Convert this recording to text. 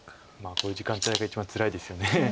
こういう時間帯が一番つらいですよね。